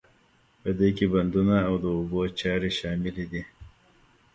په دې کې بندونه او د اوبو چارې شاملې دي.